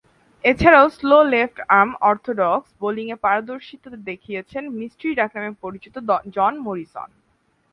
এছাড়াও, slow left arm orthodox বোলিংয়ে পারদর্শীতা দেখিয়েছেন 'মিস্ট্রি' ডাকনামে পরিচিত জন মরিসন।